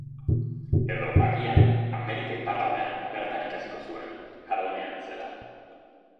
Edo, agian, Amerika iparraldean bertan ikasiko zuen, jardunean zela.